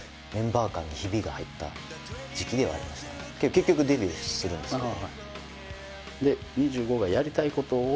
結局デビューするんですけど。